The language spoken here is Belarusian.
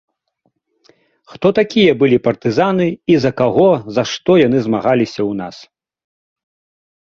Хто такія былі партызаны і за каго, за што яны змагаліся ў нас?